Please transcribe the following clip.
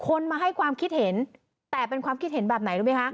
คนมาให้ความคิดเห็นแต่เป็นความคิดเห็นแบบไหนรู้ไหมคะ